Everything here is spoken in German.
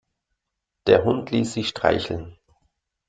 Der Hund ließ sich streicheln.